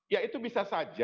ya itu bisa saja